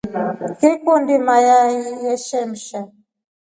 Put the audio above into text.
Ngikundi mayai yeshemsha.